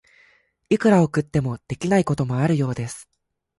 いくら送っても、できないこともあるようです。